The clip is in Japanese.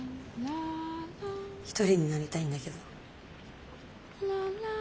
一人になりたいんだけど。